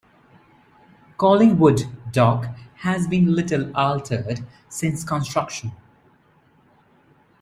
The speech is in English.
Collingwood Dock has been little altered since construction.